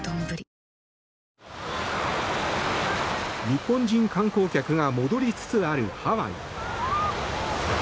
日本人観光客が戻りつつあるハワイ。